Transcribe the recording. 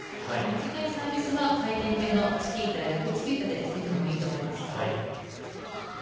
短いサービスは、回転系のチキータ、逆チキータで押していくのもいいと思います。